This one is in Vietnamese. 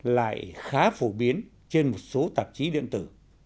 lại khá phổ biến trên một số tạp chí điện tử